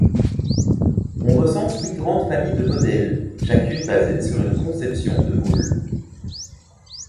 On recense huit grandes familles de modèles, chacune basée sur une conception de moule.